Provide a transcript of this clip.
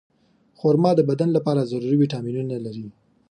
خرما د بدن لپاره ضروري ویټامینونه لري.